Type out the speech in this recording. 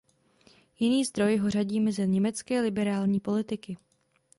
Jiný zdroj ho řadí mezi německé liberální politiky.